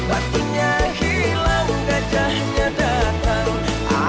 batunya hilang gajahnya datang